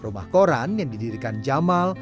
rumah koran yang didirikan jamal